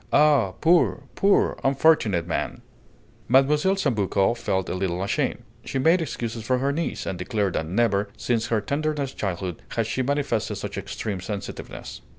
Ah! poor, poor, unfortunate man!" Mlle. Sambucco felt a little ashamed. She made excuses for her niece, and declared that never, since her tenderest childhood, had she manifested such extreme sensitiveness